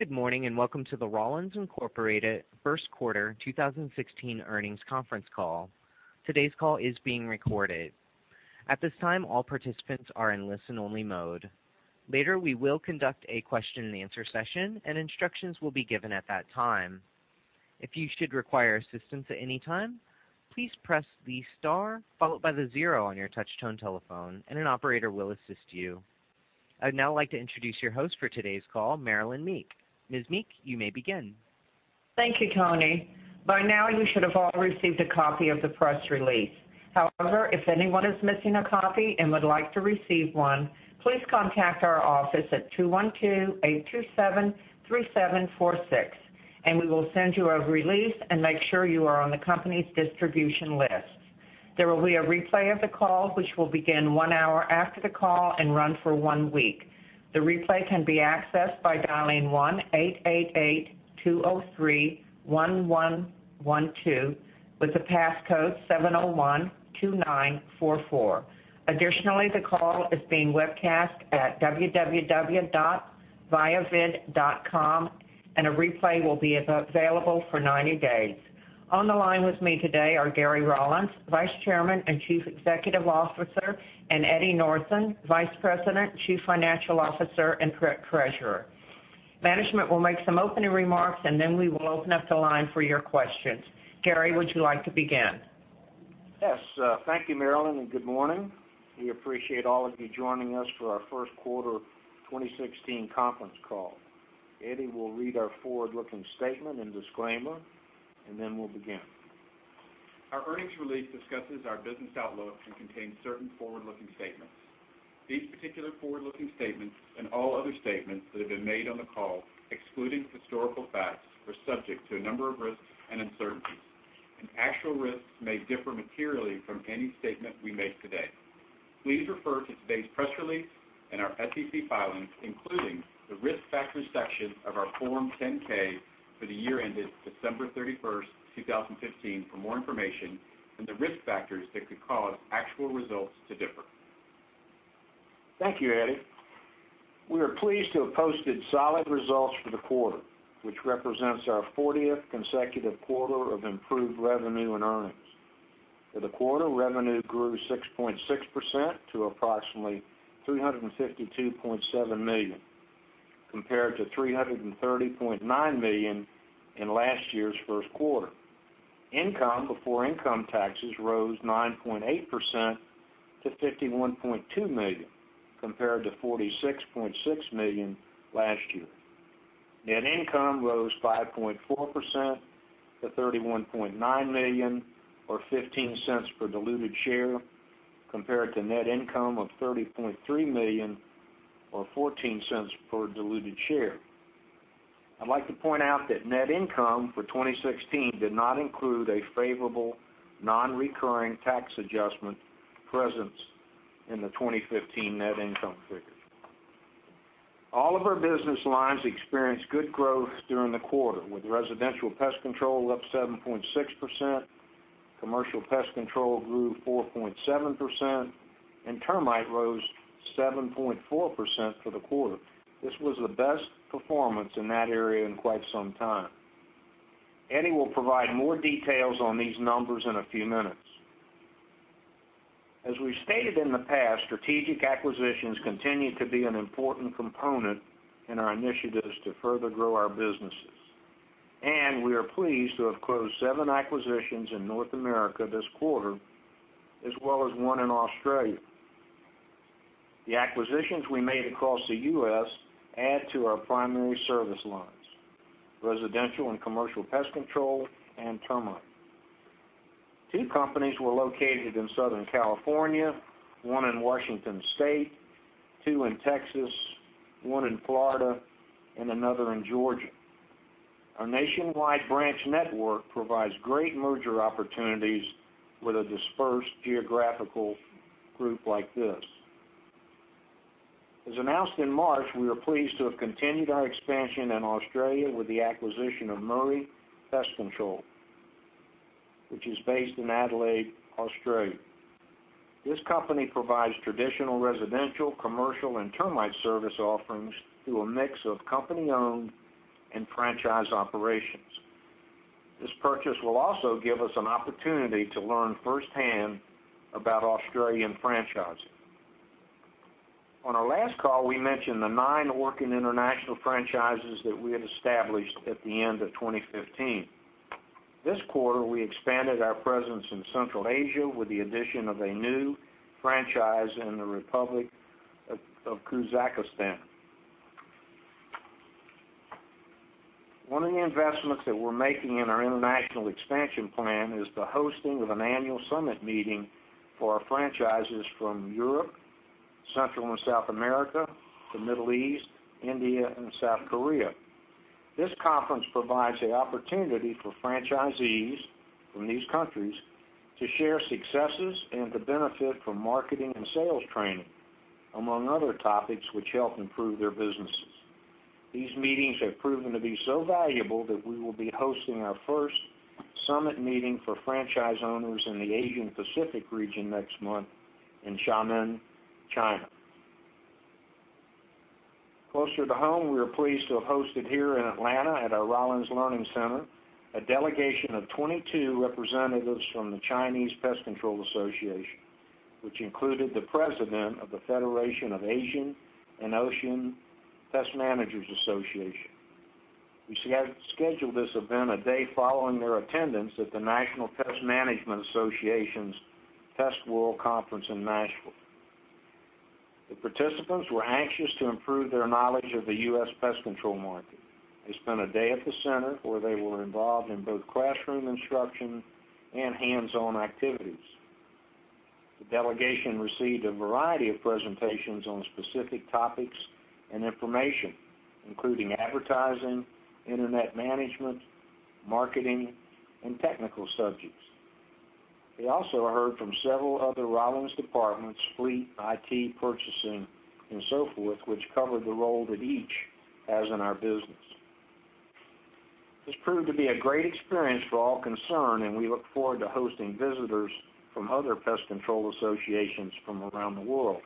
Good morning, and welcome to the Rollins, Inc first quarter 2016 Earnings Conference Call. Today's call is being recorded. At this time, all participants are in listen-only mode. Later, we will conduct a question-and-answer session, and instructions will be given at that time. If you should require assistance at any time, please press the star followed by the 0 on your touch-tone telephone, and an operator will assist you. I'd now like to introduce your host for today's call, Marilyn Meek. Ms. Meek, you may begin. Thank you, Tony. By now, you should have all received a copy of the press release. However, if anyone is missing a copy and would like to receive one, please contact our office at 212-827-3746, and we will send you a release and make sure you are on the company's distribution list. There will be a replay of the call, which will begin one hour after the call and run for one week. The replay can be accessed by dialing 1-888-203-1112 with the passcode 7012944. Additionally, the call is being webcast at www.viavid.com, and a replay will be available for 90 days. On the line with me today are Gary Rollins, Vice Chairman and Chief Executive Officer, and Eddie Northen, Vice President, Chief Financial Officer, and Treasurer. Management will make some opening remarks, then we will open up the line for your questions. Gary, would you like to begin? Yes. Thank you, Marilyn, and good morning. We appreciate all of you joining us for our first quarter 2016 conference call. Eddie will read our forward-looking statement and disclaimer, then we'll begin. Our earnings release discusses our business outlook and contains certain forward-looking statements. These particular forward-looking statements and all other statements that have been made on the call, excluding historical facts, are subject to a number of risks and uncertainties, and actual risks may differ materially from any statement we make today. Please refer to today's press release and our SEC filings, including the Risk Factors section of our Form 10-K for the year ended December 31st, 2015, for more information on the risk factors that could cause actual results to differ. Thank you, Eddie. We are pleased to have posted solid results for the quarter, which represents our 40th consecutive quarter of improved revenue and earnings. For the quarter, revenue grew 6.6% to approximately $352.7 million, compared to $330.9 million in last year's first quarter. Income before income taxes rose 9.8% to $51.2 million, compared to $46.6 million last year. Net income rose 5.4% to $31.9 million or $0.15 per diluted share, compared to net income of $30.3 million or $0.14 per diluted share. I'd like to point out that net income for 2016 did not include a favorable non-recurring tax adjustment present in the 2015 net income figure. All of our business lines experienced good growth during the quarter, with residential pest control up 7.6%, commercial pest control grew 4.7%, and termite rose 7.4% for the quarter. This was the best performance in that area in quite some time. Eddie will provide more details on these numbers in a few minutes. As we've stated in the past, strategic acquisitions continue to be an important component in our initiatives to further grow our businesses, and we are pleased to have closed seven acquisitions in North America this quarter, as well as one in Australia. The acquisitions we made across the U.S. add to our primary service lines, residential and commercial pest control and termite. Two companies were located in Southern California, one in Washington State, two in Texas, one in Florida, and another in Georgia. Our nationwide branch network provides great merger opportunities with a dispersed geographical group like this. As announced in March, we are pleased to have continued our expansion in Australia with the acquisition of Murray Pest Control, which is based in Adelaide, Australia. This company provides traditional residential, commercial, and termite service offerings through a mix of company-owned and franchise operations. This purchase will also give us an opportunity to learn firsthand about Australian franchising. On our last call, we mentioned the nine working international franchises that we had established at the end of 2015. This quarter, we expanded our presence in Central Asia with the addition of a new franchise in the Republic of Kazakhstan. One of the investments that we're making in our international expansion plan is the hosting of an annual Summit meeting for our franchises from Europe, Central and South America, the Middle East, India, and South Korea. This conference provides the opportunity for franchisees from these countries to share successes and to benefit from marketing and sales training, among other topics which help improve their businesses. These meetings have proven to be so valuable that we will be hosting our first Summit meeting for franchise owners in the Asian Pacific region next month in Xiamen, China. Closer to home, we are pleased to have hosted here in Atlanta at our Rollins Learning Center, a delegation of 22 representatives from the Chinese Pest Control Association, which included the president of the Federation of Asian and Oceania Pest Managers Associations. We scheduled this event a day following their attendance at the National Pest Management Association's PestWorld Conference in Nashville. The participants were anxious to improve their knowledge of the U.S. pest control market. They spent a day at the center, where they were involved in both classroom instruction and hands-on activities. The delegation received a variety of presentations on specific topics and information, including advertising, internet management, marketing, and technical subjects. They also heard from several other Rollins departments, fleet, IT, purchasing, and so forth, which covered the role that each has in our business. This proved to be a great experience for all concerned, and we look forward to hosting visitors from other pest control associations from around the world.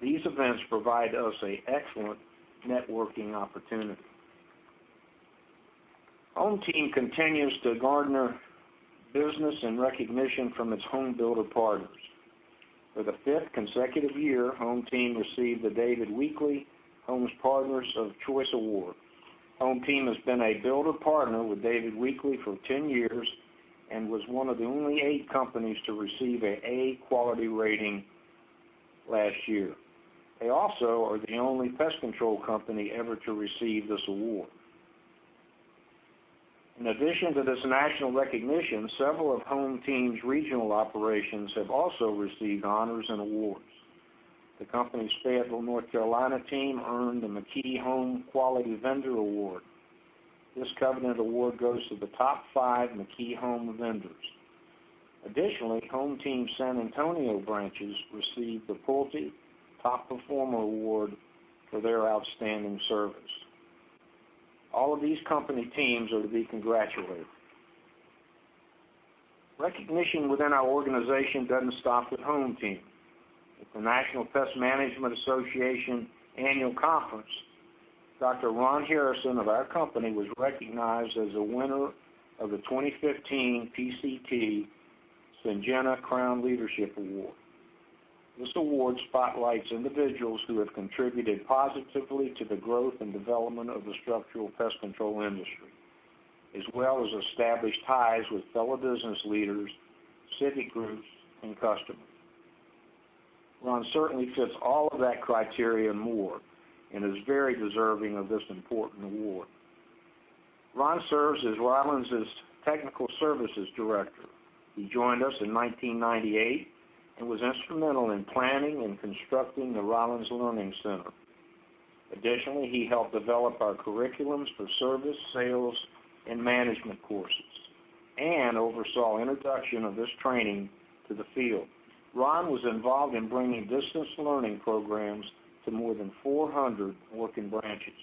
These events provide us an excellent networking opportunity. HomeTeam continues to garner business and recognition from its home builder partners. For the fifth consecutive year, HomeTeam received the David Weekley Homes Partners of Choice award. HomeTeam has been a builder partner with David Weekley for 10 years and was one of the only eight companies to receive an A quality rating last year. They also are the only pest control company ever to receive this award. In addition to this national recognition, several of HomeTeam's regional operations have also received honors and awards. The company's Fayetteville, North Carolina team earned the McKee Homes Quality Vendor award. This covenant award goes to the top five McKee Homes vendors. HomeTeam's San Antonio branches received the Pulte Top Performer award for their outstanding service. All of these company teams are to be congratulated. Recognition within our organization doesn't stop at HomeTeam. At the National Pest Management Association Annual Conference, Dr. Ron Harrison of our company was recognized as a winner of the 2015 PCT/Syngenta Crown Leadership Award. This award spotlights individuals who have contributed positively to the growth and development of the structural pest control industry, as well as established ties with fellow business leaders, civic groups, and customers. Ron certainly fits all of that criteria and more and is very deserving of this important award. Ron serves as Rollins' Technical Services Director. He joined us in 1998 and was instrumental in planning and constructing the Rollins Learning Center. He helped develop our curriculums for service, sales, and management courses and oversaw introduction of this training to the field. Ron was involved in bringing distance learning programs to more than 400 Orkin branches.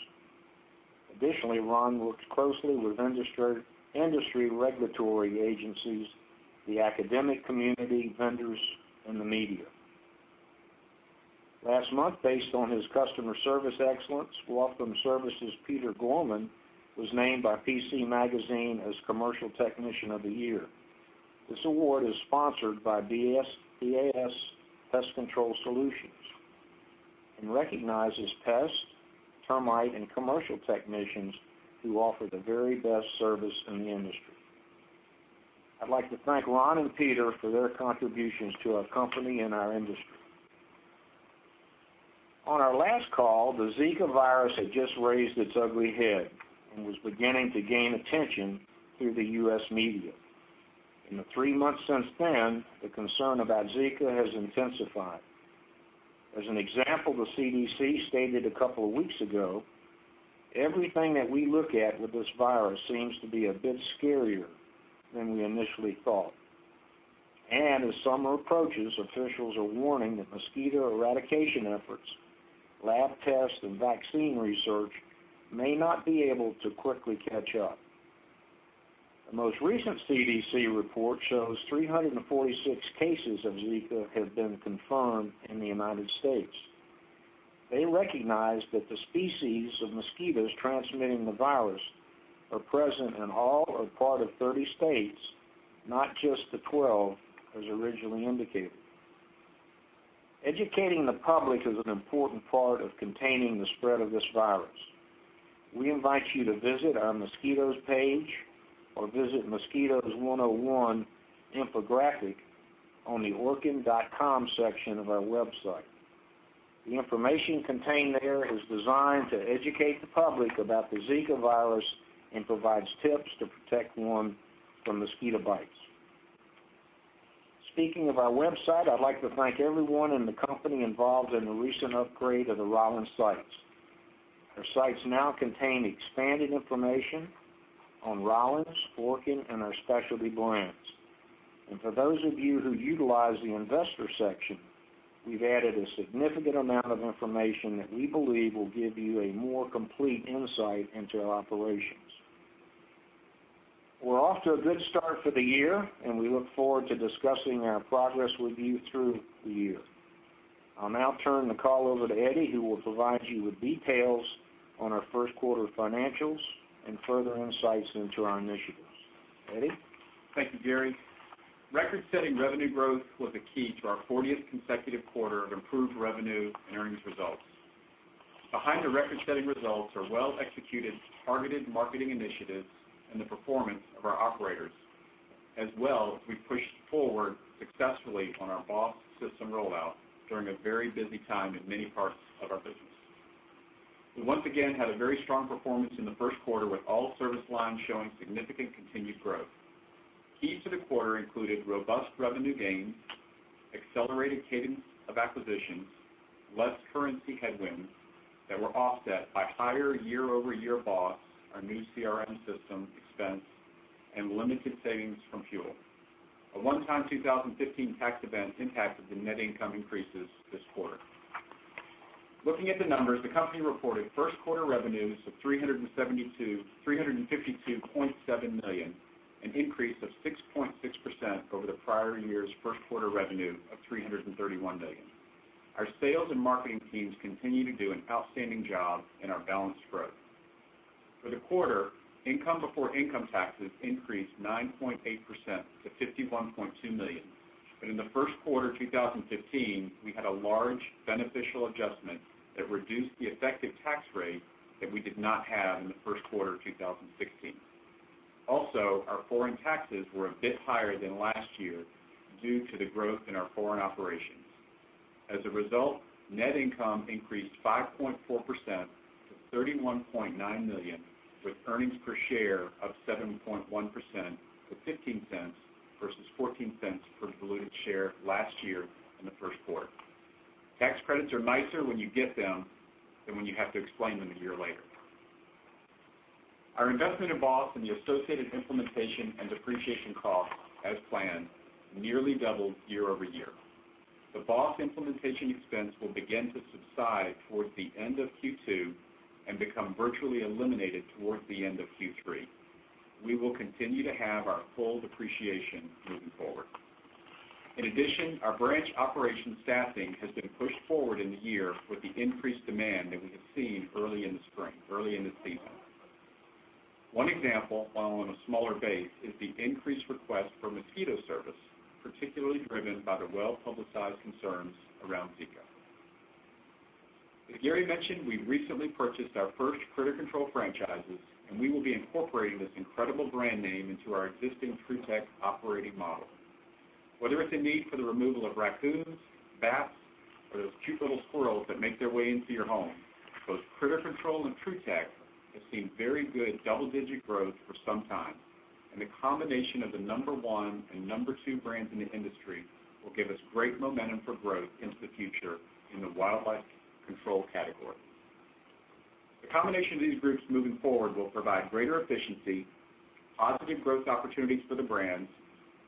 Ron works closely with industry regulatory agencies, the academic community, vendors, and the media. Last month, based on his customer service excellence, Waltham Services' Peter Gorman was named by PCT Magazine as Commercial Technician of the Year. This award is sponsored by BASF Pest Control Solutions and recognizes pest, termite, and commercial technicians who offer the very best service in the industry. I'd like to thank Ron and Peter for their contributions to our company and our industry. On our last call, the Zika virus had just raised its ugly head and was beginning to gain attention through the U.S. media. In the three months since then, the concern about Zika has intensified. As an example, the CDC stated a couple of weeks ago, everything that we look at with this virus seems to be a bit scarier than we initially thought. As summer approaches, officials are warning that mosquito eradication efforts, lab tests, and vaccine research may not be able to quickly catch up. The most recent CDC report shows 346 cases of Zika have been confirmed in the United States. They recognize that the species of mosquitoes transmitting the virus are present in all or part of 30 states, not just the 12 as originally indicated. Educating the public is an important part of containing the spread of this virus. We invite you to visit our mosquitoes page or visit Mosquitoes 101 infographic on the orkin.com section of our website. The information contained there is designed to educate the public about the Zika virus and provides tips to protect one from mosquito bites. Speaking of our website, I'd like to thank everyone in the company involved in the recent upgrade of the Rollins sites. Our sites now contain expanded information on Rollins, Orkin, and our specialty brands. For those of you who utilize the investor section, we've added a significant amount of information that we believe will give you a more complete insight into our operations. We're off to a good start for the year, we look forward to discussing our progress with you through the year. I'll now turn the call over to Eddie, who will provide you with details on our first quarter financials and further insights into our initiatives. Eddie? Thank you, Gary. Record-setting revenue growth was a key to our 40th consecutive quarter of improved revenue and earnings results. Behind the record-setting results are well-executed targeted marketing initiatives and the performance of our operators. As well, we pushed forward successfully on our BOSS system rollout during a very busy time in many parts of our business. We once again had a very strong performance in the first quarter with all service lines showing significant continued growth. Keys to the quarter included robust revenue gains, accelerated cadence of acquisitions, less currency headwinds that were offset by higher year-over-year BOSS, our new CRM system expense, and limited savings from fuel. A one-time 2015 tax event impacted the net income increases this quarter. Looking at the numbers, the company reported first quarter revenues of $352.7 million, an increase of 6.6% over the prior year's first quarter revenue of $331 million. Our sales and marketing teams continue to do an outstanding job in our balanced growth. For the quarter, income before income taxes increased 9.8% to $51.2 million. In the first quarter of 2015, we had a large beneficial adjustment that reduced the effective tax rate that we did not have in the first quarter of 2016. Also, our foreign taxes were a bit higher than last year due to the growth in our foreign operations. As a result, net income increased 5.4% to $31.9 million, with earnings per share of 7.1% to $0.15 versus $0.14 per diluted share last year in the first quarter. Tax credits are nicer when you get them than when you have to explain them a year later. Our investment in BOSS and the associated implementation and depreciation costs, as planned, nearly doubled year-over-year. The BOSS implementation expense will begin to subside towards the end of Q2 and become virtually eliminated towards the end of Q3. We will continue to have our full depreciation moving forward. In addition, our branch operation staffing has been pushed forward in the year with the increased demand that we have seen early in the season. One example, while on a smaller base, is the increased request for mosquito service, particularly driven by the well-publicized concerns around Zika. As Gary mentioned, we recently purchased our first Critter Control franchises, and we will be incorporating this incredible brand name into our existing Trutech operating model. Whether it's a need for the removal of raccoons, bats, or those cute little squirrels that make their way into your home, both Critter Control and Trutech have seen very good double-digit growth for some time, and the combination of the number 1 and number 2 brands in the industry will give us great momentum for growth into the future in the wildlife control category. The combination of these groups moving forward will provide greater efficiency, positive growth opportunities for the brands,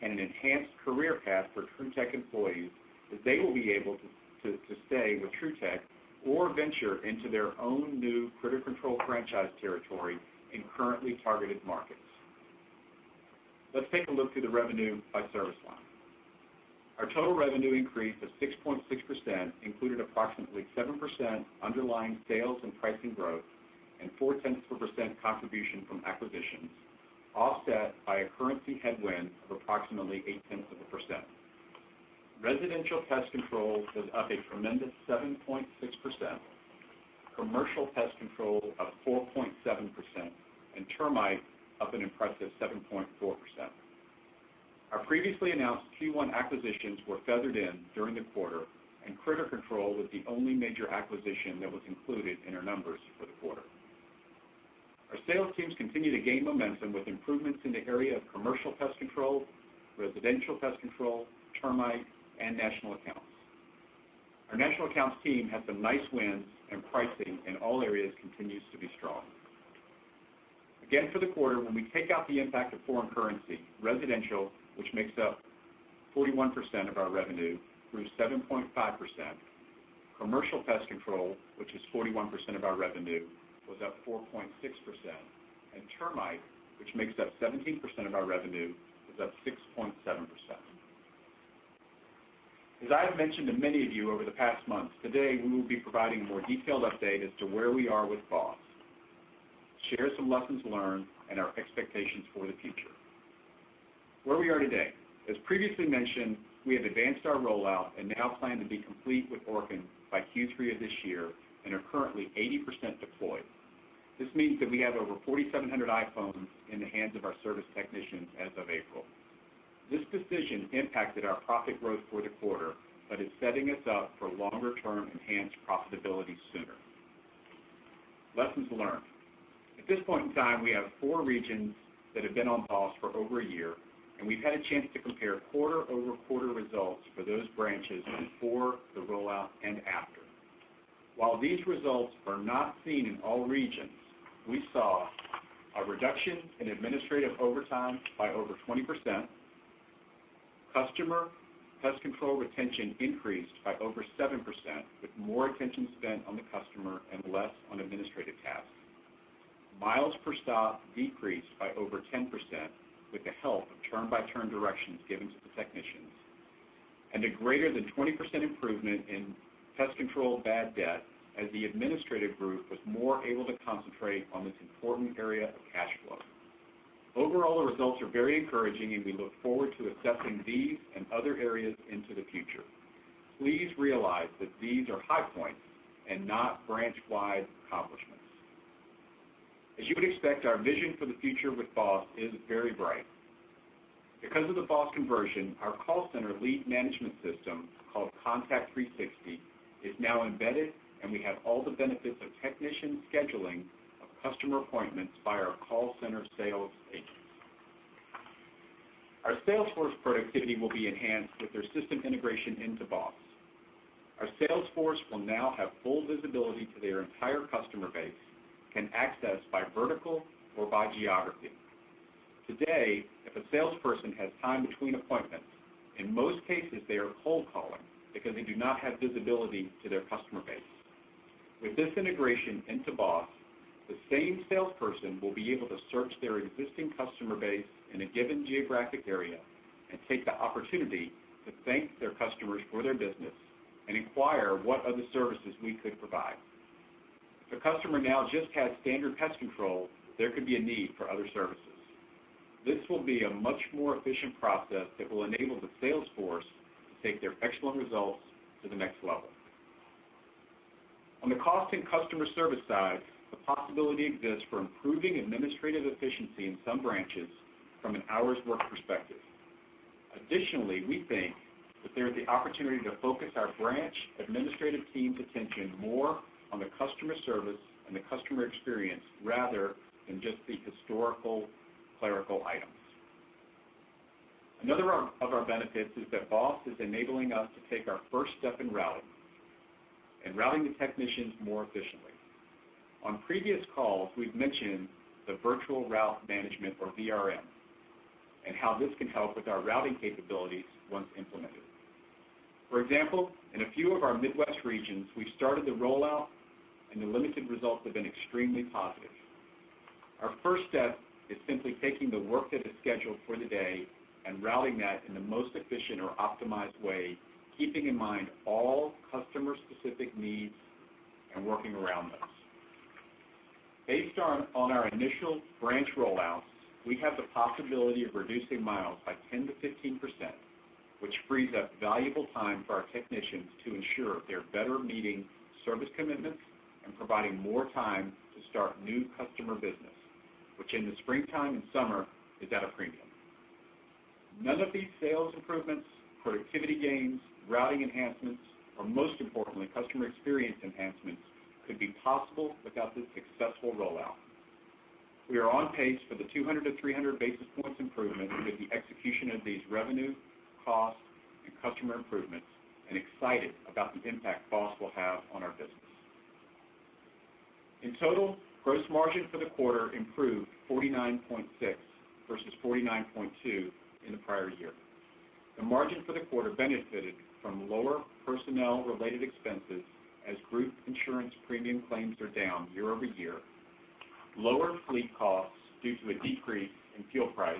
and an enhanced career path for Trutech employees as they will be able to stay with Trutech or venture into their own new Critter Control franchise territory in currently targeted markets. Let's take a look through the revenue by service line. Our total revenue increase of 6.6% included approximately 7% underlying sales and pricing growth and 0.4% contribution from acquisitions, offset by a currency headwind of approximately 0.8%. Residential pest control was up a tremendous 7.6%, commercial pest control up 4.7%, and termite up an impressive 7.4%. Our previously announced Q1 acquisitions were feathered in during the quarter, and Critter Control was the only major acquisition that was included in our numbers for the quarter. Our sales teams continue to gain momentum with improvements in the area of commercial pest control, residential pest control, termite, and national accounts. Our national accounts team had some nice wins and pricing in all areas continues to be strong. For the quarter, when we take out the impact of foreign currency, residential, which makes up 41% of our revenue, grew 7.5%. Commercial pest control, which is 41% of our revenue, was up 4.6%. Termite, which makes up 17% of our revenue, was up 6.7%. As I have mentioned to many of you over the past months, today, we will be providing a more detailed update as to where we are with BOSS, share some lessons learned, and our expectations for the future. Where we are today. As previously mentioned, we have advanced our rollout and now plan to be complete with Orkin by Q3 of this year and are currently 80% deployed. This means that we have over 4,700 iPhones in the hands of our service technicians as of April. This decision impacted our profit growth for the quarter but is setting us up for longer-term enhanced profitability sooner. Lessons learned. At this point in time, we have four regions that have been on BOSS for over a year, and we've had a chance to compare quarter-over-quarter results for those branches before the rollout and after. While these results were not seen in all regions, we saw a reduction in administrative overtime by over 20%. Customer pest control retention increased by over 7%, with more attention spent on the customer and less on administrative tasks. Miles per stop decreased by over 10% with the help of turn-by-turn directions given to the technicians, and a greater than 20% improvement in pest control bad debt as the administrative group was more able to concentrate on this important area of cash flow. Overall, the results are very encouraging, and we look forward to assessing these and other areas into the future. Please realize that these are high points and not branch-wide accomplishments. As you would expect, our vision for the future with BOSS is very bright. Because of the BOSS conversion, our call center lead management system, called Contact 360, is now embedded, and we have all the benefits of technician scheduling of customer appointments by our call center sales agents. Our sales force productivity will be enhanced with their system integration into BOSS. Our sales force will now have full visibility to their entire customer base, can access by vertical or by geography. Today, if a salesperson has time between appointments, in most cases, they are cold calling because they do not have visibility to their customer base. With this integration into BOSS, the same salesperson will be able to search their existing customer base in a given geographic area and take the opportunity to thank their customers for their business and inquire what other services we could provide. If a customer now just has standard pest control, there could be a need for other services. This will be a much more efficient process that will enable the sales force to take their excellent results to the next level. On the cost and customer service side, the possibility exists for improving administrative efficiency in some branches from an hours worked perspective. Additionally, we think that there is the opportunity to focus our branch administrative team's attention more on the customer service and the customer experience, rather than just the historical clerical items. Another of our benefits is that BOSS is enabling us to take our first step in routing and routing the technicians more efficiently. On previous calls, we've mentioned the virtual route management, or VRM, and how this can help with our routing capabilities once implemented. For example, in a few of our Midwest regions, we've started the rollout, and the limited results have been extremely positive. Our first step is simply taking the work that is scheduled for the day and routing that in the most efficient or optimized way, keeping in mind all customer-specific needs and working around those. Based on our initial branch rollouts, we have the possibility of reducing miles by 10%-15%, which frees up valuable time for our technicians to ensure they're better meeting service commitments and providing more time to start new customer business, which in the springtime and summer is at a premium. None of these sales improvements, productivity gains, routing enhancements, or most importantly, customer experience enhancements, could be possible without this successful rollout. We are on pace for the 200-300 basis points improvement with the execution of these revenue, cost, and customer improvements and excited about the impact BOSS will have on our business. In total, gross margin for the quarter improved 49.6% versus 49.2% in the prior year. The margin for the quarter benefited from lower personnel-related expenses as group insurance premium claims are down year-over-year, lower fleet costs due to a decrease in fuel price,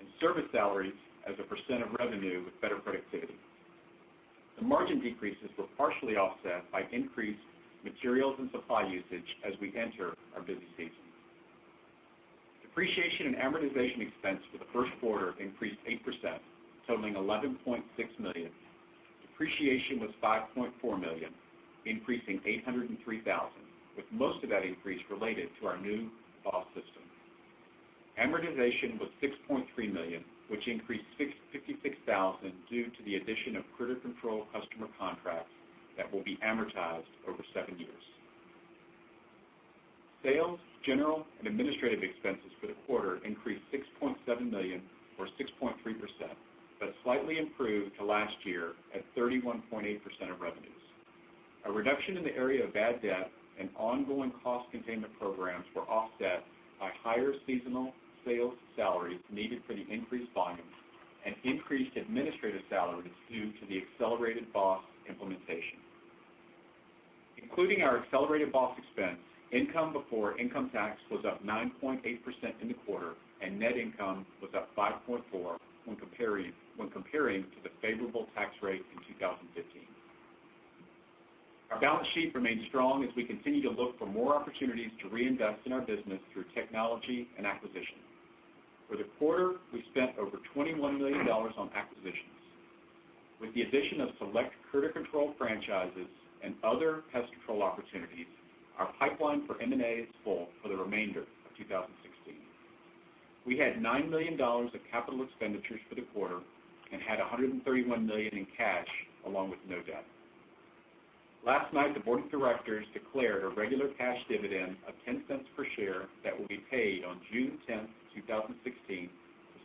and service salaries as a percent of revenue with better productivity. The margin decreases were partially offset by increased materials and supply usage as we enter our busy season. Depreciation and amortization expense for the first quarter increased 8%, totaling $11.6 million. Depreciation was $5.4 million, increasing $803,000, with most of that increase related to our new BOSS system. Amortization was $6.3 million, which increased $656,000 due to the addition of Critter Control customer contracts that will be amortized over seven years. Sales, general, and administrative expenses for the quarter increased $6.7 million or 6.3% but slightly improved to last year at 31.8% of revenues. A reduction in the area of bad debt and ongoing cost containment programs were offset by higher seasonal sales salaries needed for the increased volumes and increased administrative salaries due to the accelerated BOSS implementation. Including our accelerated BOSS expense, income before income tax was up 9.8% in the quarter, and net income was up 5.4% when comparing to the favorable tax rate in 2015. Our balance sheet remains strong as we continue to look for more opportunities to reinvest in our business through technology and acquisition. For the quarter, we spent over $21 million on acquisitions. With the addition of select Critter Control franchises and other pest control opportunities, our pipeline for M&A is full for the remainder of 2016. We had $9 million of capital expenditures for the quarter and had $131 million in cash along with no debt. Last night, the board of directors declared a regular cash dividend of $0.10 per share that will be paid on June 10, 2016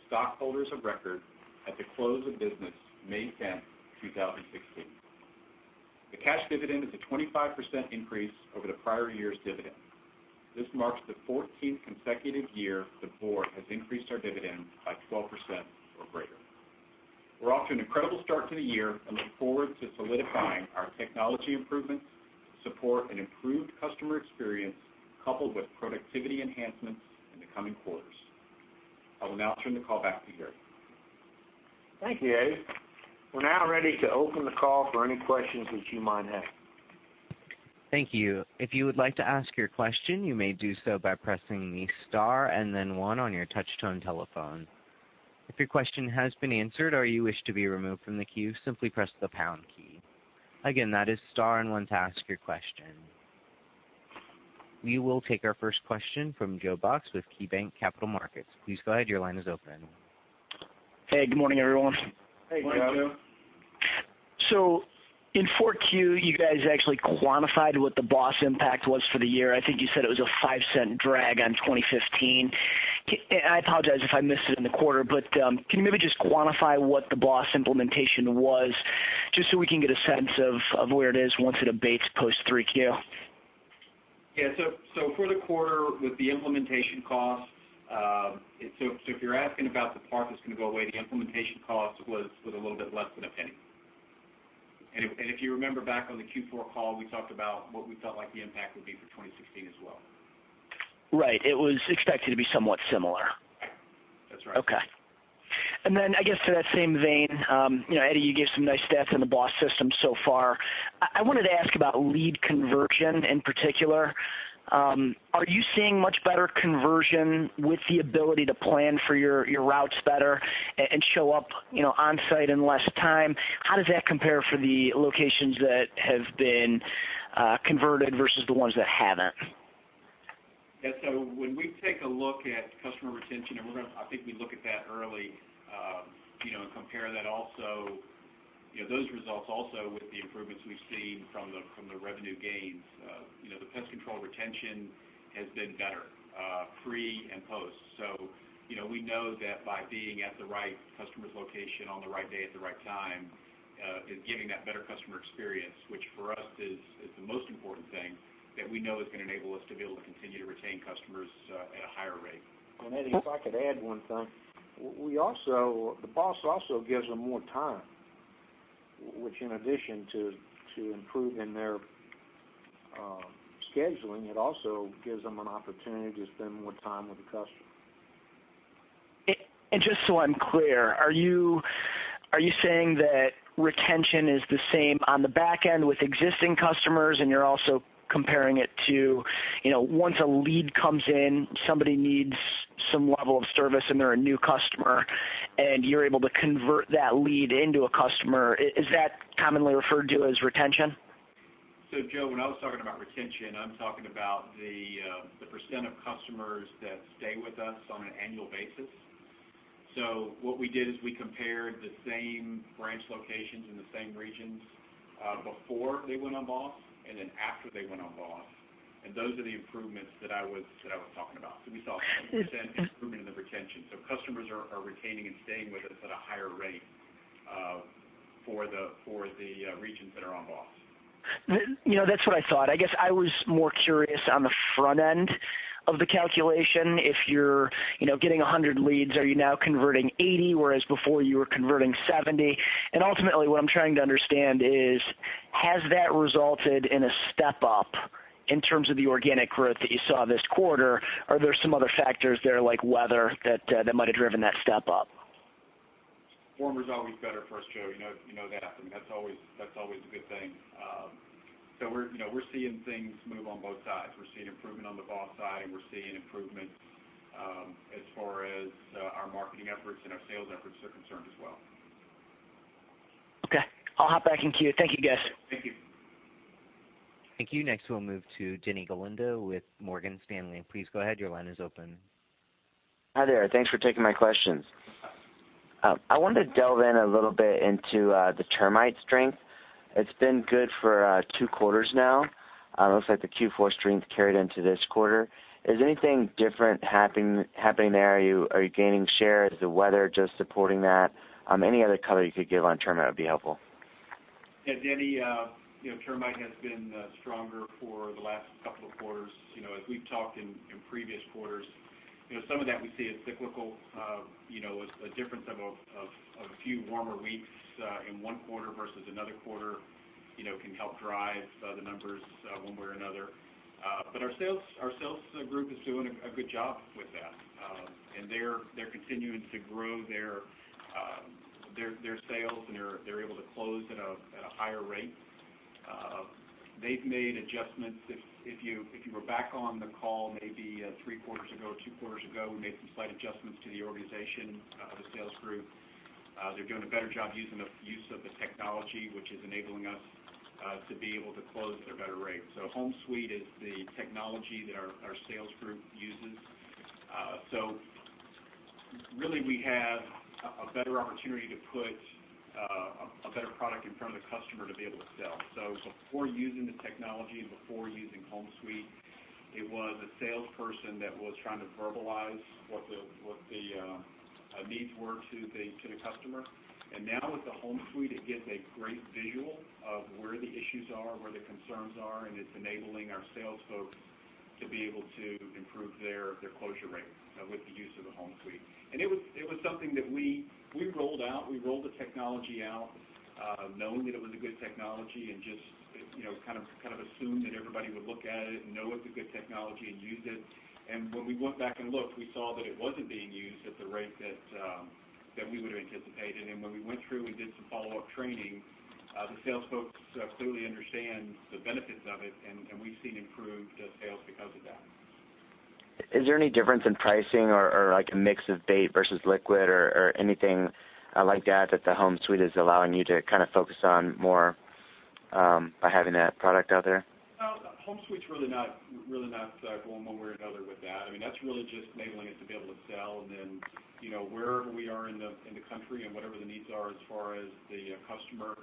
stockholders of record at the close of business May 10, 2016. The cash dividend is a 25% increase over the prior year's dividend. This marks the 14th consecutive year the board has increased our dividend by 12% or greater. We're off to an incredible start to the year and look forward to solidifying our technology improvements to support an improved customer experience, coupled with productivity enhancements in the coming quarters. I will now turn the call back to Gary. Thank you, Eddie. We're now ready to open the call for any questions that you might have. Thank you. If you would like to ask your question, you may do so by pressing star and then one on your touch-tone telephone. If your question has been answered or you wish to be removed from the queue, simply press the pound key. Again, that is star and one to ask your question. We will take our first question from Joe Box with KeyBanc Capital Markets. Please go ahead. Your line is open. Hey, good morning, everyone. Hey, good morning, Joe. In 4Q, you guys actually quantified what the BOSS impact was for the year. I think you said it was a $0.05 drag on 2015. I apologize if I missed it in the quarter, but can you maybe just quantify what the BOSS implementation was, just so we can get a sense of where it is once it abates post-3Q? For the quarter, with the implementation costs. If you're asking about the part that's going to go away, the implementation cost was a little bit less than $0.01. If you remember back on the Q4 call, we talked about what we felt like the impact would be for 2016 as well. Right. It was expected to be somewhat similar. That's right. Okay. Then, I guess in that same vein, Eddie, you gave some nice stats on the BOSS system so far. I wanted to ask about lead conversion in particular. Are you seeing much better conversion with the ability to plan for your routes better and show up onsite in less time? How does that compare for the locations that have been converted versus the ones that haven't? Yeah. When we take a look at customer retention, I think we look at that early and compare those results also with the improvements we've seen from the revenue gains. The pest control retention has been better pre and post. We know that by being at the right customer's location on the right day at the right time is giving that better customer experience, which for us is the most important thing that we know is going to enable us to be able to continue to retain customers at a higher rate. And Eddie, if I could add one thing. The BOSS also gives them more time, which in addition to improving their scheduling, it also gives them an opportunity to spend more time with the customer. Just so I'm clear, are you saying that retention is the same on the back end with existing customers and you're also comparing it to once a lead comes in, somebody needs some level of service and they're a new customer, and you're able to convert that lead into a customer. Is that commonly referred to as retention? Joe, when I was talking about retention, I'm talking about the % of customers that stay with us on an annual basis. What we did is we compared the same branch locations in the same regions before they went on BOSS and then after they went on BOSS, and those are the improvements that I was talking about. We saw [inaudible] the retention. Customers are retaining and staying with us at a higher rate for the regions that are on BOSS. That's what I thought. I guess I was more curious on the front end of the calculation. If you're getting 100 leads, are you now converting 80, whereas before you were converting 70? Ultimately, what I'm trying to understand is, has that resulted in a step-up in terms of the organic growth that you saw this quarter? Are there some other factors there, like weather, that might have driven that step up? Warmer's always better for us, Joe. You know that. I mean, that's always a good thing. We're seeing things move on both sides. We're seeing improvement on the BOSS side, we're seeing improvements as far as our marketing efforts and our sales efforts are concerned as well. Okay. I'll hop back in queue. Thank you, guys. Thank you. Thank you. Next, we'll move to Denny Galindo with Morgan Stanley. Please go ahead. Your line is open. Hi there. Thanks for taking my questions. I wanted to delve in a little bit into the termite strength. It's been good for two quarters now. It looks like the Q4 strength carried into this quarter. Is anything different happening there? Are you gaining share? Is the weather just supporting that? Any other color you could give on termite would be helpful. Yeah, Denny, termite has been stronger for the last couple of quarters. As we've talked in previous quarters, some of that we see as cyclical. A difference of a few warmer weeks in one quarter versus another quarter can help drive the numbers one way or another. Our sales group is doing a good job with that. They're continuing to grow their sales, and they're able to close at a higher rate. They've made adjustments. If you were back on the call maybe three quarters ago, two quarters ago, we made some slight adjustments to the organization of the sales group. They're doing a better job use of the technology, which is enabling us to be able to close at a better rate. HomeSuite is the technology that our sales group uses. Really, we have a better opportunity to put a better product in front of the customer to be able to sell. Before using the technology and before using HomeSuite, it was a salesperson that was trying to verbalize what the needs were to the customer. Now with the HomeSuite, it gives a great visual of where the issues are, where the concerns are, and it's enabling our sales folks to be able to improve their closure rate with the use of the HomeSuite. It was something that we rolled out. We rolled the technology out knowing that it was a good technology and just assumed that everybody would look at it and know it's a good technology and use it. When we went back and looked, we saw that it wasn't being used at the rate that we would've anticipated. When we went through and did some follow-up training, the sales folks clearly understand the benefits of it, and we've seen improved sales because of that. Is there any difference in pricing or a mix of bait versus liquid or anything like that the HomeSuite is allowing you to focus on more by having that product out there? No. HomeSuite's really not going one way or another with that. That's really just enabling us to be able to sell and then wherever we are in the country and whatever the needs are as far as the customer,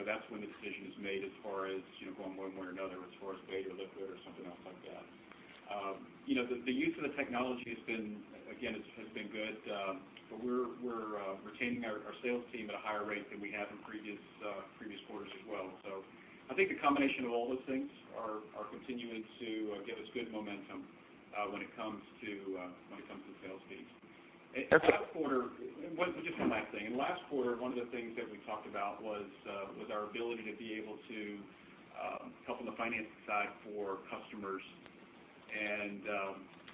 that's when the decision is made as far as going one way or another as far as bait or liquid or something else like that. The use of the technology has been good. We're retaining our sales team at a higher rate than we have in previous quarters as well. I think the combination of all those things are continuing to give us good momentum when it comes to sales fees. Okay. Just one last thing. In last quarter, one of the things that we talked about was our ability to be able to help on the financing side for customers.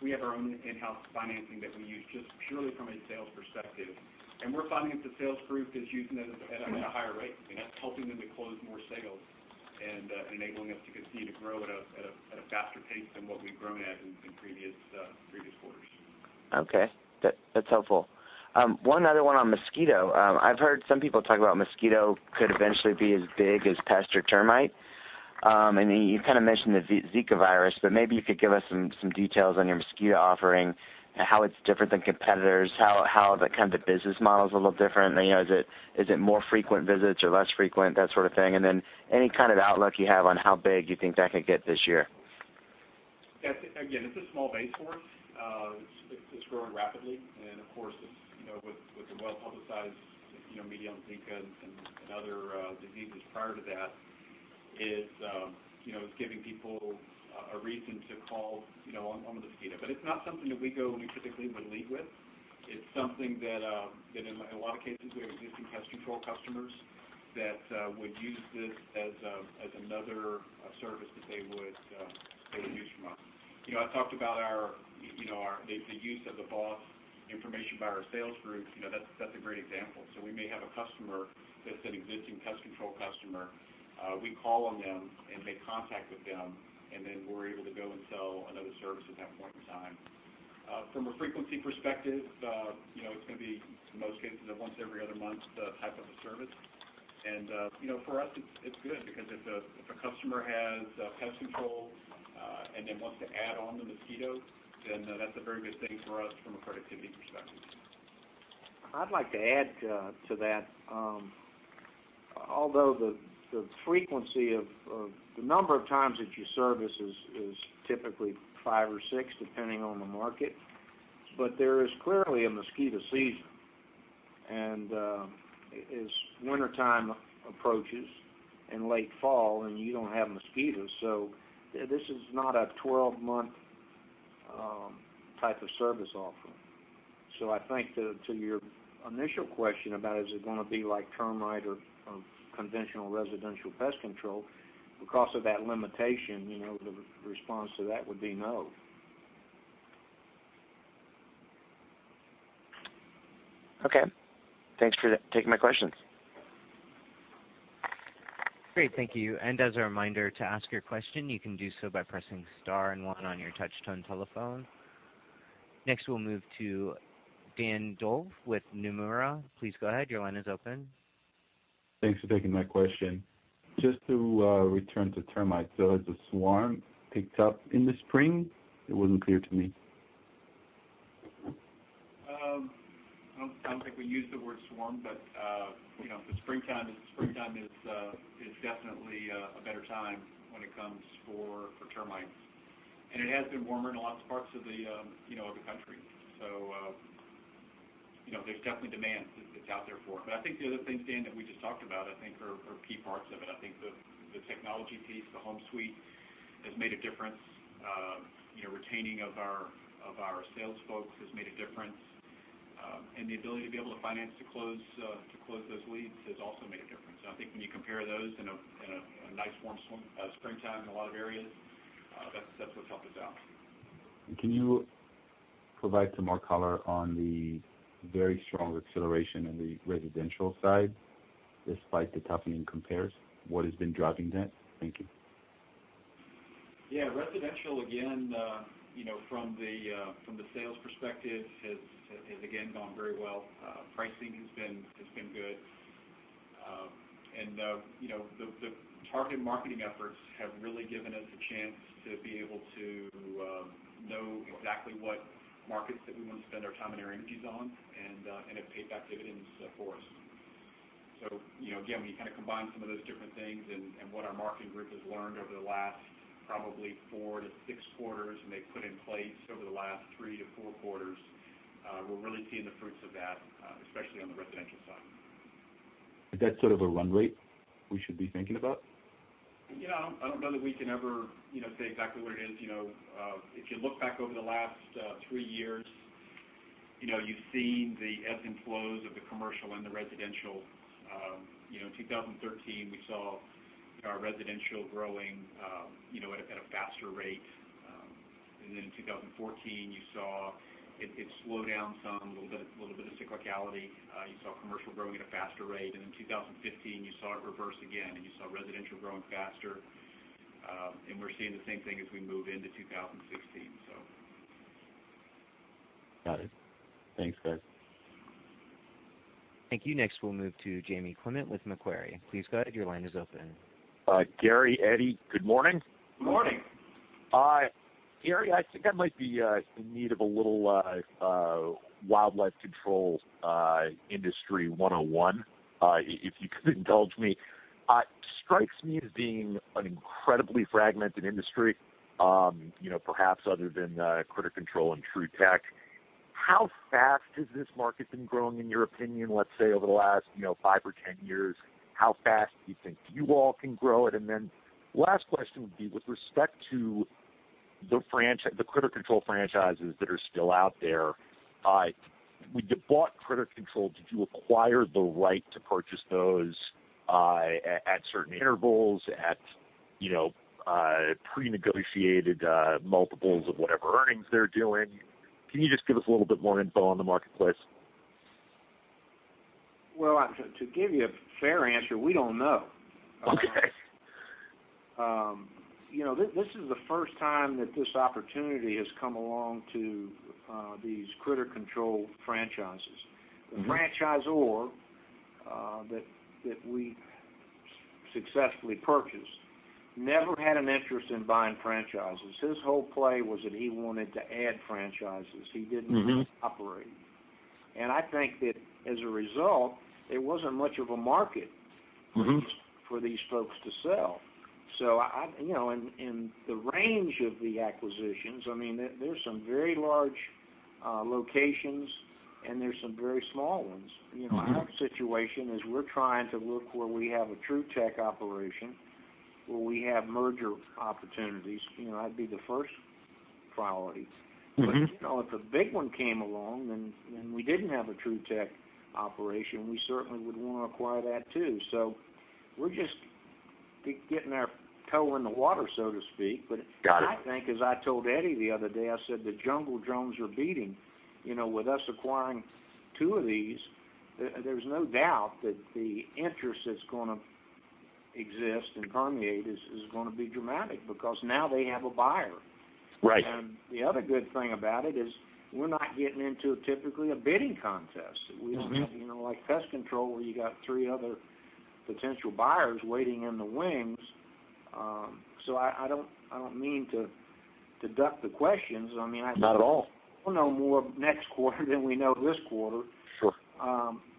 We have our own in-house financing that we use just purely from a sales perspective. We're finding that the sales group is using those at a higher rate, and that's helping them to close more sales and enabling us to continue to grow at a faster pace than what we've grown at in previous quarters. Okay. That's helpful. One other one on mosquito. I've heard some people talk about mosquito could eventually be as big as pest or termite. You mentioned the Zika, maybe you could give us some details on your mosquito offering, how it's different than competitors, how the business model's a little different. Is it more frequent visits or less frequent, that sort of thing. Any kind of outlook you have on how big you think that could get this year. Again, it's a small base for us. It's growing rapidly. Of course, with the well-publicized media on Zika and other diseases prior to that, it's giving people a reason to call on the mosquito. It's not something that we typically would lead with. It's something that, in a lot of cases, we have existing pest control customers that would use this as another service that they would use from us. I talked about the use of the BOSS information by our sales group. That's a great example. We may have a customer that's an existing pest control customer. We call on them and make contact with them, we're able to go and sell another service at that point in time. From a frequency perspective, it's going to be, in most cases, a once every other month type of a service. For us, it's good because if a customer has pest control, wants to add on the mosquito, that's a very good thing for us from a productivity perspective. I'd like to add to that. Although the frequency of the number of times that you service is typically five or six, depending on the market, there is clearly a mosquito season. As wintertime approaches, late fall, you don't have mosquitoes, this is not a 12-month type of service offering. I think to your initial question about is it going to be like termite or conventional residential pest control, because of that limitation, the response to that would be no. Okay. Thanks for taking my questions. Great. Thank you. As a reminder, to ask your question, you can do so by pressing star and one on your touch-tone telephone. Next, we'll move to Dan Dolev with Nomura. Please go ahead. Your line is open. Thanks for taking my question. Just to return to termites. Has the swarm picked up in the spring? It wasn't clear to me. I don't think we used the word swarm, the springtime is definitely a better time when it comes for termites. It has been warmer in a lot of parts of the country. There's definitely demand that's out there for it. I think the other things, Dan, that we just talked about, I think are key parts of it. I think the technology piece, the HomeSuite, has made a difference. Retaining of our sales folks has made a difference. The ability to be able to finance to close those leads has also made a difference. I think when you compare those in a nice warm springtime in a lot of areas, that's what's helping us out. Can you provide some more color on the very strong acceleration in the residential side, despite the toughening compares? What has been driving that? Thank you. Yeah. The targeted marketing efforts have really given us a chance to be able to know exactly what markets that we want to spend our time and our energies on, and it paid back dividends for us. Again, when you combine some of those different things and what our marketing group has learned over the last probably 4-6 quarters, and they've put in place over the last 3-4 quarters, we're really seeing the fruits of that, especially on the residential side. Is that sort of a run rate we should be thinking about? I don't know that we can ever say exactly what it is. If you look back over the last three years, you've seen the ebbs and flows of the commercial and the residential. 2013, we saw our residential growing at a faster rate. Then in 2014, you saw it slow down some, a little bit of cyclicality. You saw commercial growing at a faster rate. In 2015, you saw it reverse again, and you saw residential growing faster. We're seeing the same thing as we move into 2016. Got it. Thanks, guys. Thank you. Next, we'll move to Jamie Clement with Macquarie. Please go ahead. Your line is open. Gary, Eddie, good morning. Good morning. Gary, I think I might be in need of a little wildlife control industry 101, if you could indulge me. It strikes me as being an incredibly fragmented industry, perhaps other than Critter Control and Trutech. How fast has this market been growing, in your opinion, let's say over the last five or 10 years? How fast do you think you all can grow it? Last question would be, with respect to the Critter Control franchises that are still out there, when you bought Critter Control, did you acquire the right to purchase those at certain intervals at prenegotiated multiples of whatever earnings they're doing? Can you just give us a little bit more info on the marketplace? Well, to give you a fair answer, we don't know. Okay. This is the first time that this opportunity has come along to these Critter Control franchises. The franchisor that we successfully purchased never had an interest in buying franchises. His whole play was that he wanted to add franchises. He didn't want to operate them. I think that as a result, there wasn't much of a for these folks to sell. In the range of the acquisitions, there's some very large locations, and there's some very small ones. Our situation is we're trying to look where we have a Trutech operation, where we have merger opportunities. That'd be the first priority. If a big one came along and we didn't have a Trutech operation, we certainly would want to acquire that, too. We're just getting our toe in the water, so to speak. Got it. I think, as I told Eddie the other day, I said, "The jungle drums are beating." With us acquiring two of these, there's no doubt that the interest that's going to exist and permeate is going to be dramatic because now they have a buyer. Right. The other good thing about it is we're not getting into, typically, a bidding contest. We don't have like pest control where you got three other potential buyers waiting in the wings. I don't mean to duck the questions. Not at all. We'll know more next quarter than we know this quarter. Sure.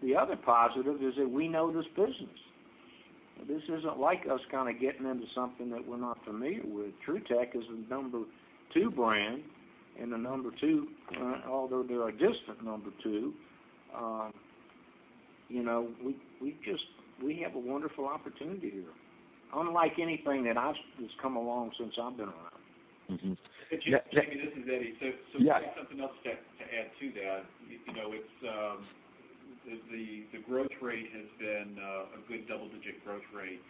The other positive is that we know this business. This isn't like us getting into something that we're not familiar with. Trutech is the number two brand, and the number two, although they're a distant number two. We have a wonderful opportunity here, unlike anything that has come along since I've been around. Jamie, this is Eddie. Yeah. just something else to add to that. The growth rate has been a good double-digit growth rate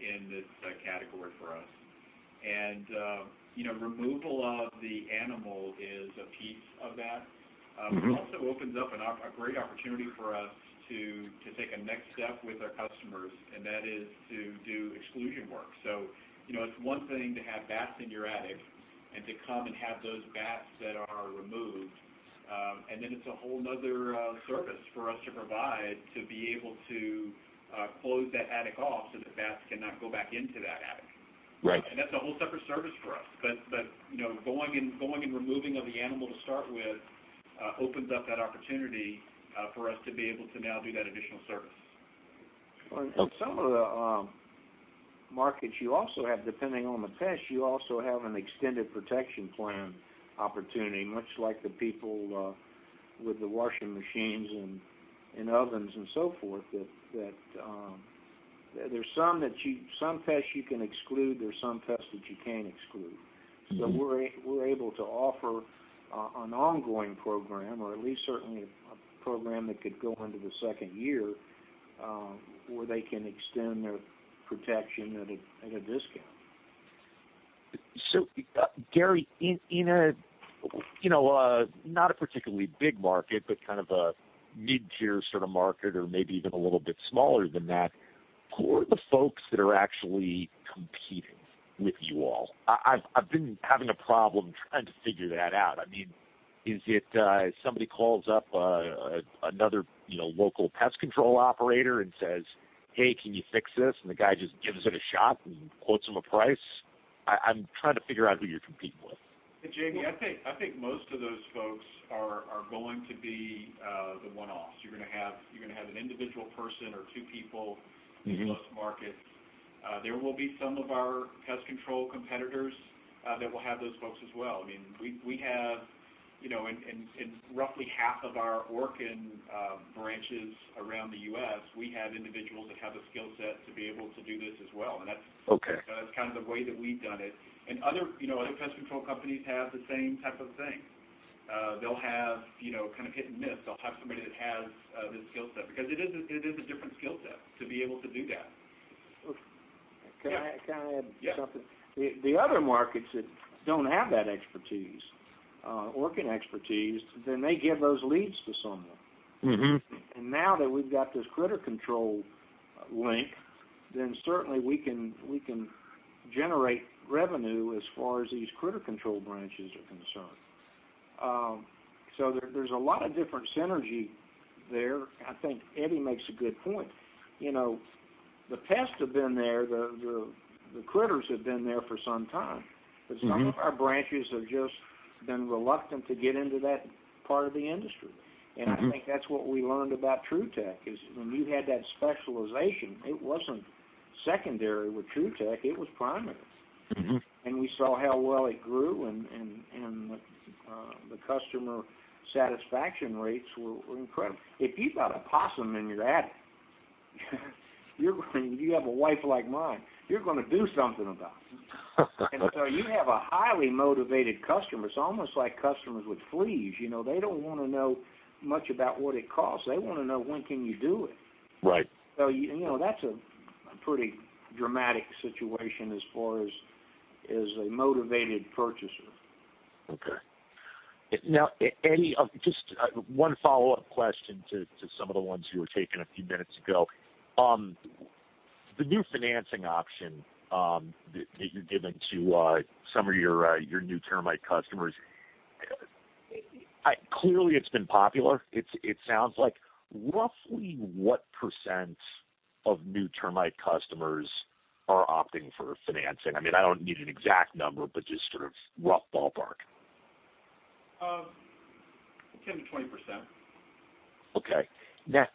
in this category for us. removal of the animal is a piece of that. it also opens up a great opportunity for us to take a next step with our customers, and that is to do exclusion work. it's one thing to have bats in your attic and to come and have those bats that are removed. it's a whole other service for us to provide to be able to close that attic off so that bats cannot go back into that attic. Right. that's a whole separate service for us. the going and removing of the animal to start with opens up that opportunity for us to be able to now do that additional service. in some of the markets you also have, depending on the pest, you also have an extended protection plan opportunity, much like the people with the washing machines and ovens and so forth. There's some pests you can exclude, there's some pests that you can't exclude. We're able to offer an ongoing program, or at least certainly a program that could go into the second year, where they can extend their protection at a discount. Gary, in a not a particularly big market, but kind of a mid-tier sort of market or maybe even a little bit smaller than that, who are the folks that are actually competing with you all? I've been having a problem trying to figure that out. Is it somebody calls up another local pest control operator and says, "Hey, can you fix this?" The guy just gives it a shot and quotes him a price. I'm trying to figure out who you're competing with. Jamie, I think most of those folks are going to be the one-offs. You're going to have an individual person or two people. In those markets. There will be some of our pest control competitors that will have those folks as well. In roughly half of our Orkin branches around the U.S., we have individuals that have the skill set to be able to do this as well. Okay. That's the way that we've done it. Other pest control companies have the same type of thing. They'll have hit-and-miss. They'll have somebody that has the skill set, because it is a different skill set to be able to do that. Can I add something? Yeah. The other markets that don't have that expertise, Orkin expertise, then they give those leads to someone. Now that we've got this Critter Control link, then certainly we can generate revenue as far as these Critter Control branches are concerned. There's a lot of different synergy there. I think Eddie makes a good point. The pests have been there, the critters have been there for some time. Some of our branches have just been reluctant to get into that part of the industry. I think that's what we learned about Trutech is when you had that specialization, it wasn't secondary with Trutech, it was primary. We saw how well it grew, and the customer satisfaction rates were incredible. If you've got a possum in your attic, and you have a wife like mine, you're going to do something about it. So you have a highly motivated customer. It's almost like customers with fleas. They don't want to know much about what it costs. They want to know when can you do it. Right. That's a pretty dramatic situation as far as a motivated purchaser. Okay. Now, Eddie, just one follow-up question to some of the ones you were taking a few minutes ago. The new financing option that you're giving to some of your new termite customers. Clearly, it's been popular, it sounds like. Roughly what % of new termite customers are opting for financing? I don't need an exact number, but just sort of rough ballpark. 10%-20%. Okay. I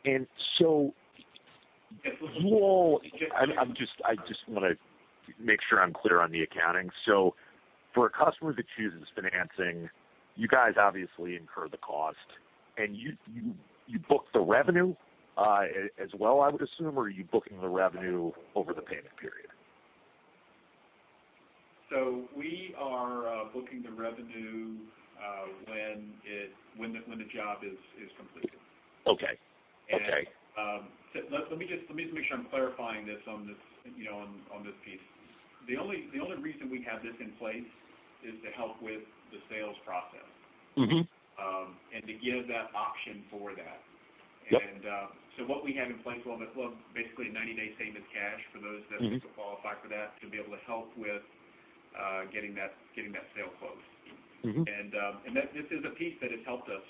just want to make sure I'm clear on the accounting. For a customer that chooses financing, you guys obviously incur the cost. You book the revenue as well, I would assume, or are you booking the revenue over the payment period? We are booking the revenue when the job is completed. Okay. Let me just make sure I'm clarifying this on this piece. The only reason we have this in place is to help with the sales process. To give that option for that. Yep. What we have in place, well, basically a 90-day same as cash for those. qualify for that to be able to help with getting that sale closed. This is a piece that has helped us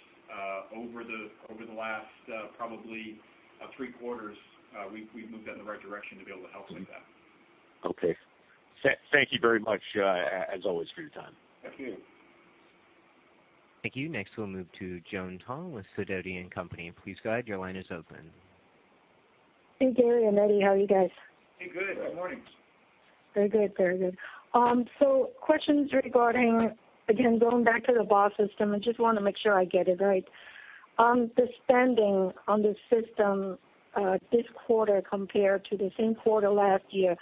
over the last probably three quarters, we've moved that in the right direction to be able to help like that. Okay. Thank you very much, as always, for your time. Thank you. Thank you. Next, we'll move to Joan Tong with Sidoti & Company. Please go ahead, your line is open. Hey, Gary and Eddie. How are you guys? Hey, good. Good morning. Very good. Questions regarding, again, going back to the BOSS system, I just want to make sure I get it right. The spending on the system this quarter compared to the same quarter last year,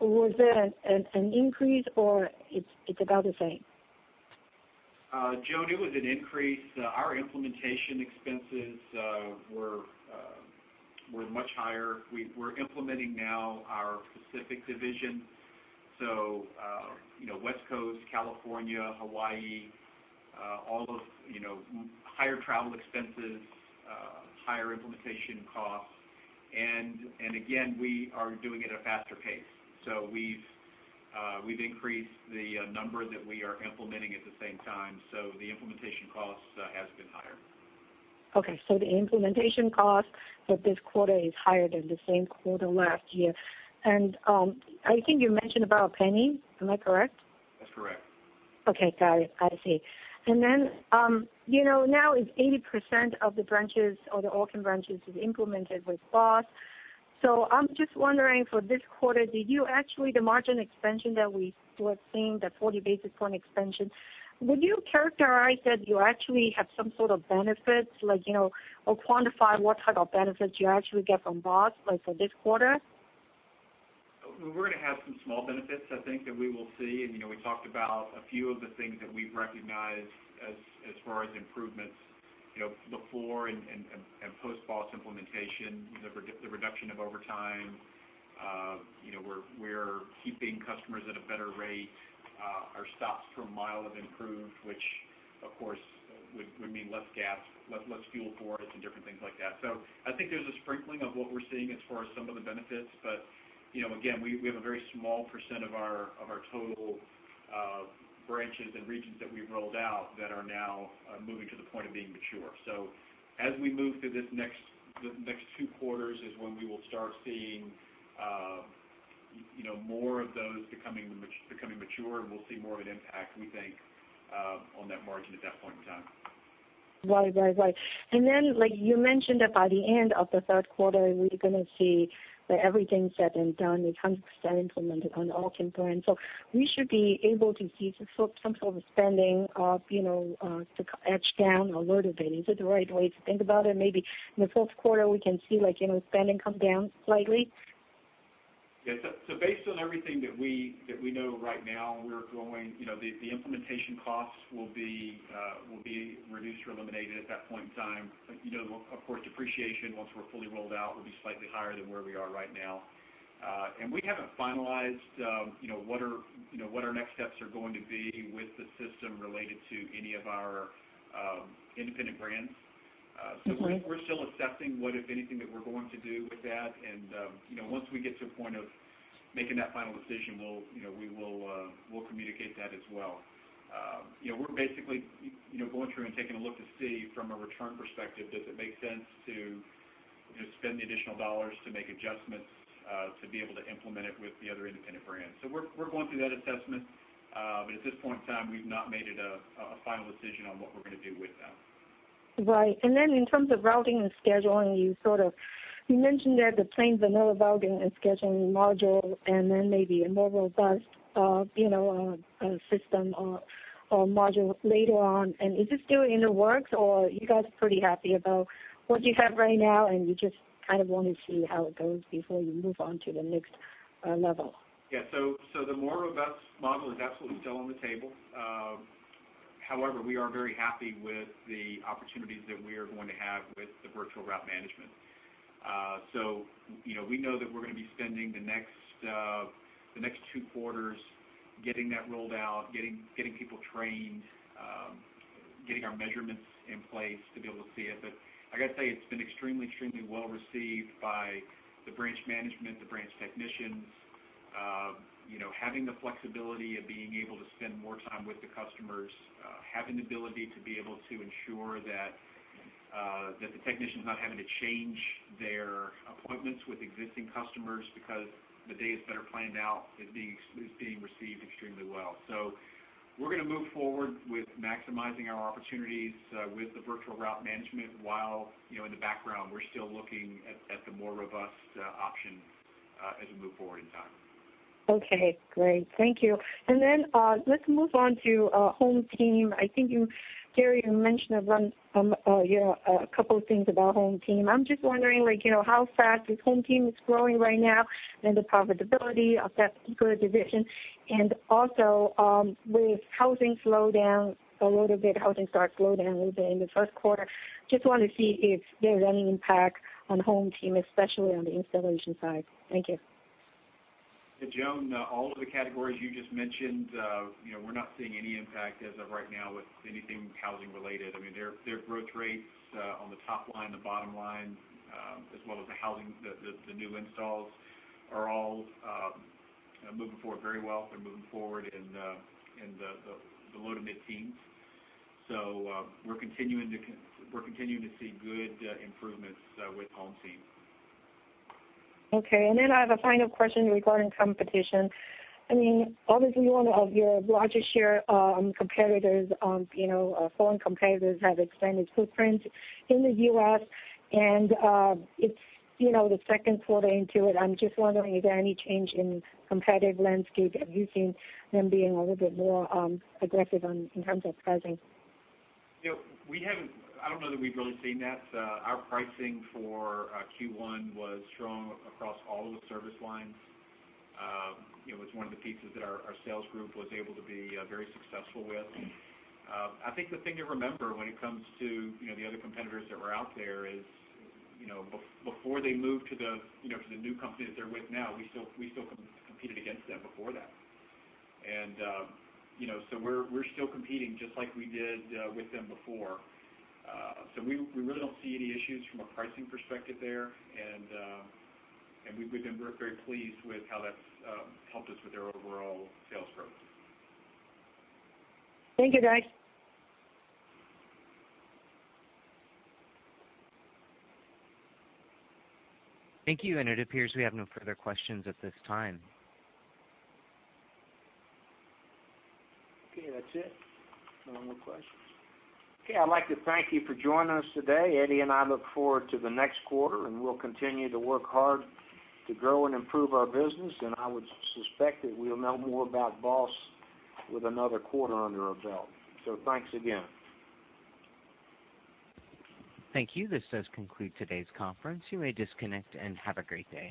was that an increase or it's about the same? Joan, it was an increase. Our implementation expenses were much higher. We're implementing now our Pacific Division, so West Coast, California, Hawaii, all those, higher travel expenses, higher implementation costs. Again, we are doing it at a faster pace. We've increased the number that we are implementing at the same time, so the implementation cost has been higher. Okay. The implementation cost for this quarter is higher than the same quarter last year. I think you mentioned about $0.01. Am I correct? That's correct. Okay, got it. I see. Now it's 80% of the branches or the Orkin branches is implemented with BOSS. I'm just wondering for this quarter, did you actually, the margin expansion that we were seeing, the 40 basis point expansion, would you characterize that you actually have some sort of benefits or quantify what type of benefits you actually get from BOSS, like for this quarter? We're going to have some small benefits, I think, that we will see. We talked about a few of the things that we've recognized as far as improvements before and post-BOSS implementation, the reduction of overtime. We're keeping customers at a better rate. Our stops per mile have improved, which Of course, would mean less gas, less fuel for it and different things like that. I think there's a sprinkling of what we're seeing as far as some of the benefits. Again, we have a very small percent of our total branches and regions that we've rolled out that are now moving to the point of being mature. As we move through this next two quarters is when we will start seeing more of those becoming mature, and we'll see more of an impact, we think, on that margin at that point in time. Right. You mentioned that by the end of the third quarter, we're going to see that everything's said and done, it's 100% implemented on all components. We should be able to see some sort of spending to etch down a little bit. Is it the right way to think about it? Maybe in the fourth quarter, we can see spending come down slightly? Yes. Based on everything that we know right now, the implementation costs will be reduced or eliminated at that point in time. Of course, depreciation, once we're fully rolled out, will be slightly higher than where we are right now. We haven't finalized what our next steps are going to be with the system related to any of our independent brands. We're still assessing what, if anything, that we're going to do with that. Once we get to a point of making that final decision, we'll communicate that as well. We're basically going through and taking a look to see from a return perspective, does it make sense to just spend the additional dollars to make adjustments to be able to implement it with the other independent brands. We're going through that assessment. At this point in time, we've not made it a final decision on what we're going to do with that. Right. In terms of routing and scheduling, you mentioned there the plain vanilla routing and scheduling module, and then maybe a more robust system or module later on. Is this still in the works, or you guys are pretty happy about what you have right now, and you just kind of want to see how it goes before you move on to the next level? Yeah. The more robust model is absolutely still on the table. However, we are very happy with the opportunities that we are going to have with the virtual route management. We know that we're going to be spending the next 2 quarters getting that rolled out, getting people trained, getting our measurements in place to be able to see it. I got to say, it's been extremely well received by the branch management, the branch technicians. Having the flexibility of being able to spend more time with the customers, having the ability to be able to ensure that the technician's not having to change their appointments with existing customers because the days that are planned out is being received extremely well. We're going to move forward with maximizing our opportunities with the virtual route management, while in the background, we're still looking at the more robust option as we move forward in time. Okay, great. Thank you. Let's move on to HomeTeam. I think, Gary, you mentioned a couple of things about HomeTeam. I'm just wondering how fast this HomeTeam is growing right now and the profitability of that particular division. With housing slow down a little bit, housing start slow down a little bit in the first quarter, just want to see if there's any impact on HomeTeam, especially on the installation side. Thank you. Yeah, Joan, all of the categories you just mentioned, we're not seeing any impact as of right now with anything housing related. Their growth rates on the top line, the bottom line, as well as the new installs are all moving forward very well. They're moving forward in the low to mid teens. We're continuing to see good improvements with HomeTeam. I have a final question regarding competition. Obviously, one of your largest share competitors, foreign competitors, have expanded footprints in the U.S., and it's the second quarter into it. I'm just wondering, is there any change in competitive landscape? Have you seen them being a little bit more aggressive in terms of pricing? I don't know that we've really seen that. Our pricing for Q1 was strong across all of the service lines. It was one of the pieces that our sales group was able to be very successful with. I think the thing to remember when it comes to the other competitors that were out there is, before they moved to the new company that they're with now, we still competed against them before that. We're still competing just like we did with them before. We really don't see any issues from a pricing perspective there. We've been very pleased with how that's helped us with our overall sales growth. Thank you, guys. Thank you. It appears we have no further questions at this time. Okay. That's it. No more questions. Okay. I'd like to thank you for joining us today. Eddie and I look forward to the next quarter, we'll continue to work hard to grow and improve our business. I would suspect that we'll know more about BOSS with another quarter under our belt. Thanks again. Thank you. This does conclude today's conference. You may disconnect and have a great day.